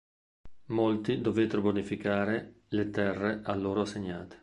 Molti dovettero bonificare le terre a loro assegnate.